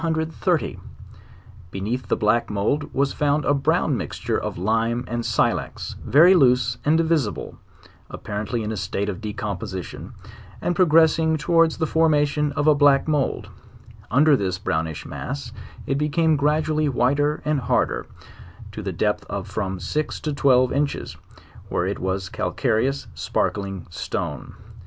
Beneath the black, mould was found a brown mixture of lime and silex, very loose and divisible, apparently in ,1 state of decomposition, and pro gressing towards the .formation of a black mould; under this brownish mass it became gradually whiter and harder, to the depth of from six to twelve inches, where it was a calcare ous sparkling stone.